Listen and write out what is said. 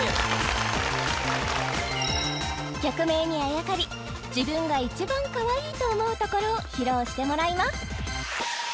曲名にあやかり自分が一番かわいいと思うところを披露してもらいます